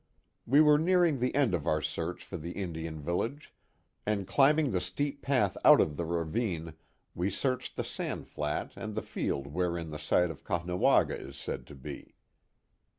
We were nearing the end of our search for the Indian vil lage, and climbing the steep path out of the ravine, we reached the sand flat and the field wherein the site of Caughna waga is said to be.